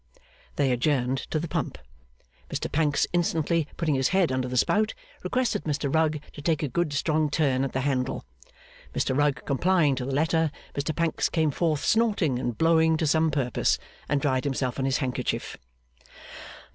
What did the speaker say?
They adjourned to the pump. Mr Pancks, instantly putting his head under the spout, requested Mr Rugg to take a good strong turn at the handle. Mr Rugg complying to the letter, Mr Pancks came forth snorting and blowing to some purpose, and dried himself on his handkerchief.